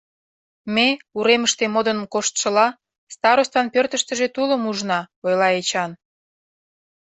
— Ме, уремыште модын коштшыла, старостан пӧртыштыжӧ тулым ужна, — ойла Эчан.